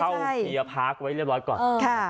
เข้าที่จะพักไว้เรียบร้อยก่อน